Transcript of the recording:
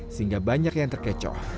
sehingga banyak yang terkecoh